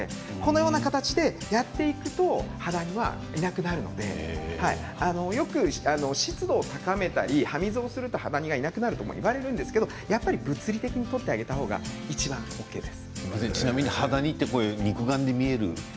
こういう形でやるとハダニがいなくなるのでよく湿度を高めたり葉水をするとハダニがいなくなるとも言われますが物理的に取ってあげた方がいちばんＯＫです。